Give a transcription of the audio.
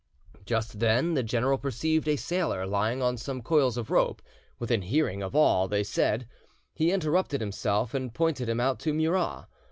Just then the general perceived a sailor lying on some coils of ropes, within hearing of all they said; he interrupted himself, and pointed him out to Murat.